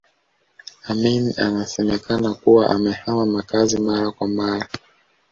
Amin anasemekana kuwa amehama makazi mara kwa mara